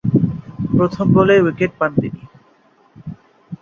প্রথম বলেই উইকেট পান তিনি।